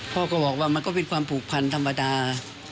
พ่อก็บอกว่ามันก็เป็นความผูกพันธรรมดา